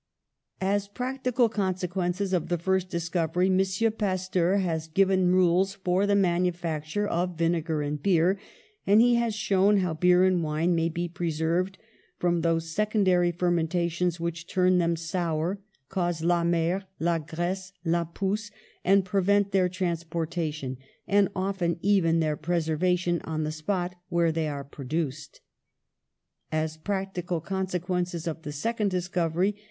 "As practical consequences of the first dis covery, M. Pasteur has given rules for the man ufacture of vinegar and beer, and he has shown how beer and wine may be preserved from those secondary fermentations which turn them sour, cause Vamer, la graisse, la pousse, and prevent their transportation and often even their pres ervation on the spot where they are produced. "As practical consequences of the second dis covery, M.